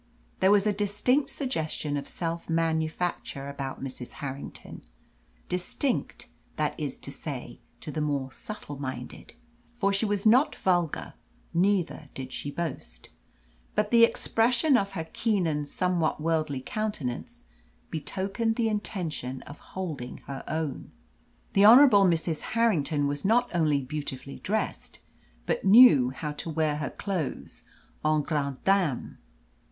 There was a distinct suggestion of self manufacture about Mrs. Harrington distinct, that is to say, to the more subtle minded. For she was not vulgar, neither did she boast. But the expression of her keen and somewhat worldly countenance betokened the intention of holding her own. The Honourable Mrs. Harrington was not only beautifully dressed, but knew how to wear her clothes en grande dame.